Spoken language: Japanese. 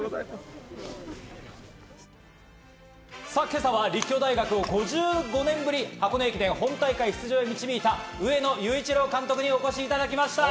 今朝は立教大学を５５年ぶりに箱根駅伝本大会出場へと導いた、上野裕一郎監督にお越しいただきました。